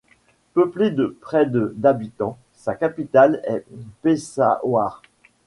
Peuplée de près de d'habitants, sa capitale est Peshawar.